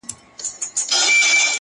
• یو ځل مي جهان ته وکتل او بیا مي -